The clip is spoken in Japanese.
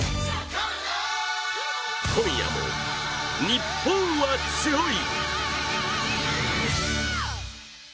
今夜も日本は強い！